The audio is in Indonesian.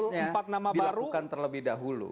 saya kira ini harusnya dilakukan terlebih dahulu